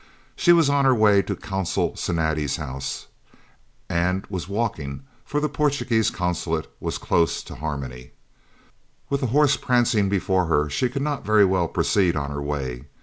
She was on her way to Consul Cinatti's house, and was walking, for the Portuguese Consulate was quite close to Harmony. With the horse prancing before her, she could not very well proceed on her way.